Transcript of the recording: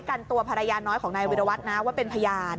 กันตัวภรรยาน้อยของนายวิรวัตรนะว่าเป็นพยาน